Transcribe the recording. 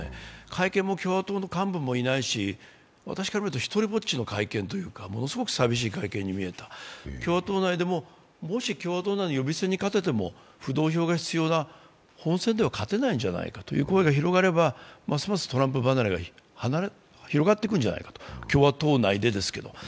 会見も共和党の幹部もいないし、私から見るとひとりぼっちの会見というかものすごく寂しい会見に見えた、共和党内でも、もし共和党内の予備選に勝てても浮動票が必要な本選では勝てないんじゃないかという声が広がればますますトランプ離れが広がって来るんじゃないか、共和党内でですけど。